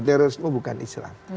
terorisme bukan islam